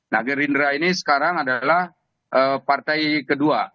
nah gerindra ini sekarang adalah partai kedua